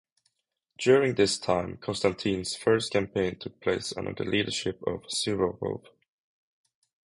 During this time, Konstantin's first campaign took place under the leadership of Suvorov.